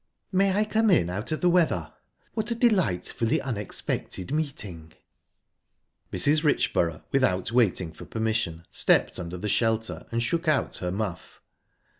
"May I come in out of the weather? What a delightfully unexpected meeting!" Mrs. Richborough, without waiting for permission, stepped under the shelter and shook out her muff.